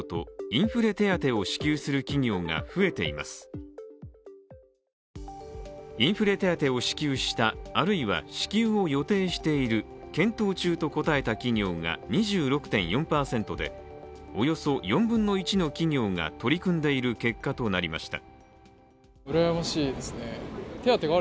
インフレ手当を支給した、あるいは支給を予定している、検討中と答えた企業が２６．４％でおよそ４分の１の企業が取り組んでいる結果となりました。